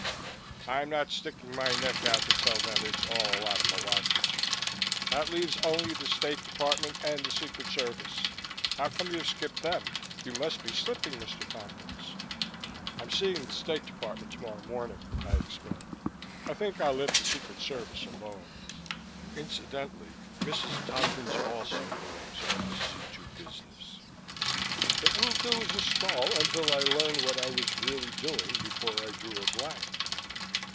I'm not sticking my neck out to tell them it's all a lot of malarkey. That leaves only the State Department and the Secret Service. How come you've skipped them? You must be slipping, Mr. Tompkins." "I'm seeing the State Department tomorrow morning," I explained. "I think I'll let the Secret Service alone. Incidentally, Mrs. Tompkins also believes all this Z 2 business. It will do as a stall until I learn what I was really doing before I drew a blank."